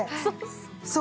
そう。